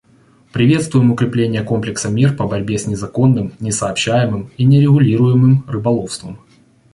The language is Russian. Приветствуем укрепление комплекса мер по борьбе с незаконным, несообщаемым и нерегулируемым рыболовством.